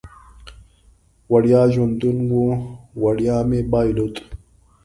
وړیا ژوندون و، وړیا مې بایلود